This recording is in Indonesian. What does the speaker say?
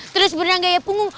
terus berenang gaya punggung